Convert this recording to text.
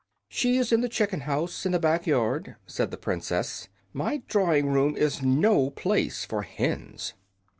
"She is in the chicken house, in the back yard," said the Princess. "My drawing room is no place for hens."